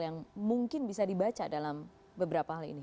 yang mungkin bisa dibaca dalam beberapa hal ini